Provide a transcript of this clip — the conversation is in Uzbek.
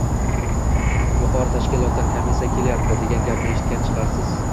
«Yuqori tashkilotdan komissiya kelyapti!» degan gapni eshitgan chiqarsiz.